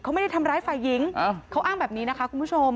เขาไม่ได้ทำร้ายฝ่ายหญิงเขาอ้างแบบนี้นะคะคุณผู้ชม